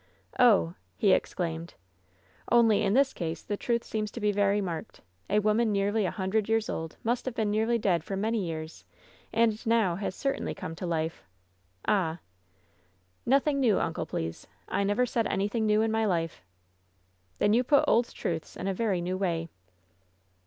"Oh!" he exclaimed. "Only in this case the truth seems to be very marked. A woman nearly a hundred years old must have been nearly dead for many years and now has certainly come to life." "Ah!" "Nothing new, uncle, please. I never said anything new in my life." "Then you put old truths in a very new way."